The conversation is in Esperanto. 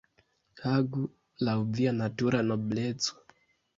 Agu laŭ via natura nobleco.